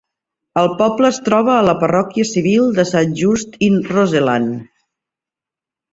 El poble es troba a la parròquia civil de Saint Just in Roseland.